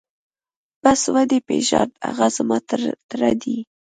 بس ودې پېژاند هغه زما تره دى.